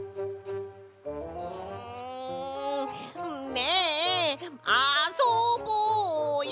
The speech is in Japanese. ねえあそぼうよ！